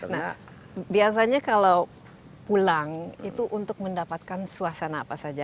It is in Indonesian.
nah biasanya kalau pulang itu untuk mendapatkan suasana apa saja